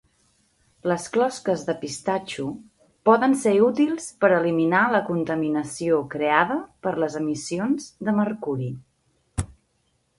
Les closques de pistatxo poden ser útils per eliminar la contaminació creada per les emissions de mercuri.